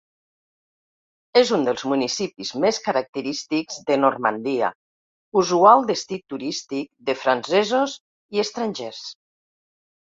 És un dels municipis més característics de Normandia, usual destí turístic de francesos i estrangers.